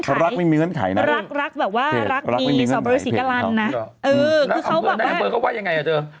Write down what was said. เออรักไม่มีเงื่อนไขรักรักแบบว่ารักมีสอบบริษฐ์ศิกรรณนะเออคือเขาแบบว่านายอำเภอก็ว่ายังไงอ่ะเจ้า